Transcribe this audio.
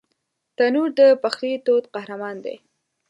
تنور د پخلي تود قهرمان دی